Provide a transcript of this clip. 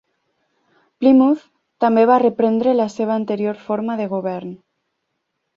Plymouth també va reprendre la seva anterior forma de govern.